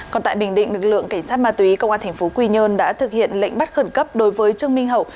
còn tại bình định lực lượng cảnh sát ma túy cơ quan thành phố quỳ nhơn đã thực hiện lệnh bắt khẩn cấp đối với chương minh hậu